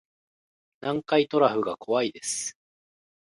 南海トラフが怖いです